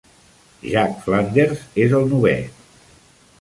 Jack Flanders és el novè.